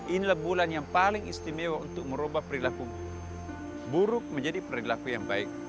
inilah bulan yang paling istimewa untuk merubah perilaku buruk menjadi perilaku yang baik